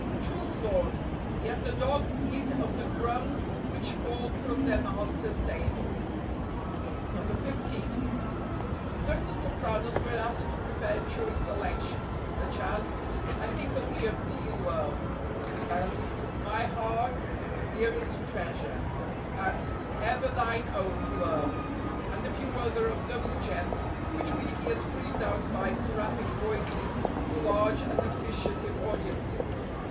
Truth, Lord: yet the dogs eat oj the crumbs which fall from their masters' table." 140 DECEMBER. 15. Certain sopranos were asked to pre¬ pare choice selections, such as :" I think only of thee, Love," and " My Hearth dearest Treasure," and " Ever thine own, Love," and a few other of those gems which we hear screamed out by seraphic voices to large and appreciative audiences.